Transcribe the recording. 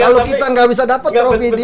kalau kita nggak bisa dapat trophy di